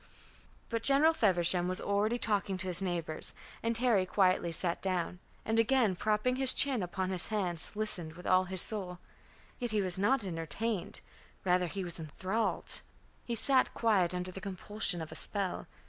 But General Feversham was already talking to his neighbours, and Harry quietly sat down, and again propping his chin upon his hands, listened with all his soul. Yet he was not entertained; rather he was enthralled; he sat quiet under the compulsion of a spell.